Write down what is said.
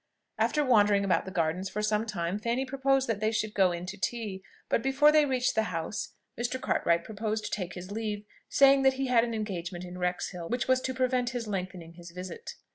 After wandering about the gardens for some time, Fanny proposed that they should go in to tea; but before they reached the house, Mr. Cartwright proposed to take his leave, saying that he had an engagement in Wrexhill, which was to prevent his lengthening his visit.